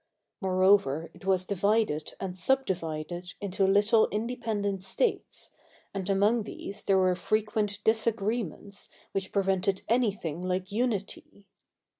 Moreover, it was divided and subdivided into little independent states, and among these there were frequent disagreements which pre vented anything like unity.